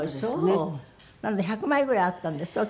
なので１００枚ぐらいあったんですって？